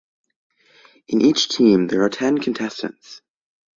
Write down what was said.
In each team there are ten contestants.